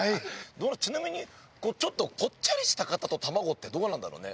ちなみにちょっとぽっちゃりした方と卵ってどうなんだろうね？